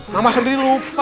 mama sendiri lupa